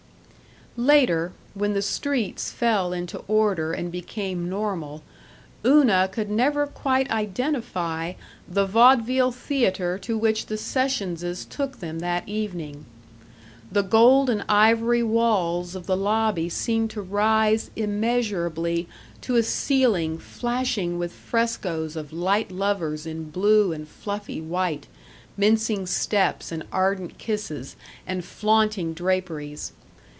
§ 3 Later, when the streets fell into order and became normal, Una could never quite identify the vaudeville theater to which the Sessionses took them that evening. The gold and ivory walls of the lobby seemed to rise immeasurably to a ceiling flashing with frescoes of light lovers in blue and fluffy white, mincing steps and ardent kisses and flaunting draperies.